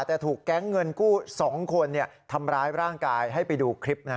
แต่ถูกแก๊งเงินกู้สองคนเนี่ยทำร้ายร่างกายให้ไปดูคลิปนะฮะ